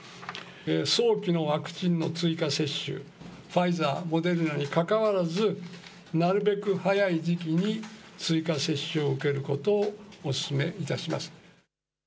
早期のワクチンの追加接種、ファイザー、モデルナにかかわらず、なるべく早い時期に追加接種を受けることをお勧めいたします。